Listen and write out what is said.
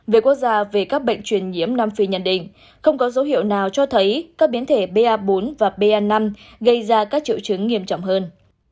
về quốc gia về các bệnh truyền nhiễm nam phi nhận định không có dấu hiệu nào cho thấy các biến thể ba bốn và pa năm gây ra các triệu chứng nghiêm trọng hơn